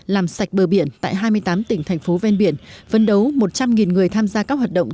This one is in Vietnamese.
làm sạch bờ biển tại hai mươi tám tỉnh thành phố ven biển vấn đấu một trăm linh người tham gia các hoạt động